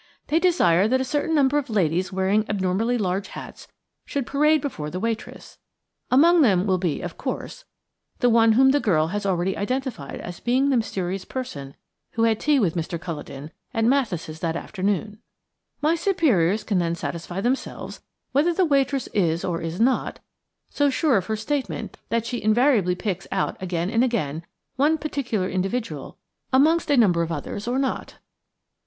They desire that a certain number of ladies wearing abnormally large hats should parade before the waitress. Among them will be, of course, the one whom the girl has already identified as being the mysterious person who had tea with Mr. Culledon at Mathis' that afternoon. "My superiors can then satisfy themselves whether the waitress is or is not so sure of her statement that she invariably picks out again and again one particular individual amongst a number of others or not."